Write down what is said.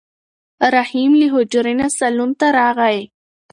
رحیم له حجرې نه صالون ته راغی.